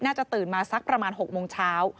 ตื่นมาสักประมาณ๖โมงเช้า